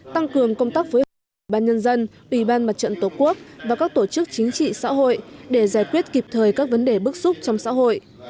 tăng cường công tác phối hợp với ủy ban nhân dân ủy ban mặt trận tổ quốc và các tổ chức chính trị xã hội để giải quyết kịp thời các vấn đề bức xúc trong xã hội